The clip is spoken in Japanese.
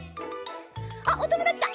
あっおともだちだ！